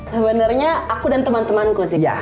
sebenarnya aku dan teman temanku sih ya